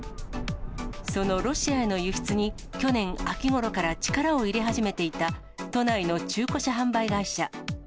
そのロシアの輸出に去年秋ごろから力を入れ始めていた、都内の中古車販売会社。